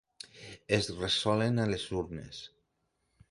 Es resolen a les urnes.